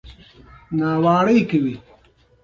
هغوی خپلو مقدسو زیارتونو ته ځي.